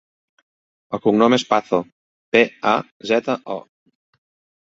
El cognom és Pazo: pe, a, zeta, o.